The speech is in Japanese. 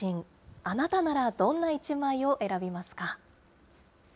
あなたならどんな１枚を選びますか。